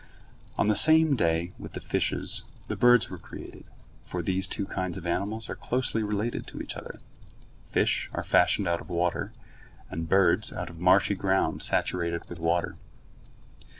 On the same day with the fishes, the birds were created, for these two kinds of animals are closely related to each other. Fish are fashioned out of water, and birds out of marshy ground saturated with water.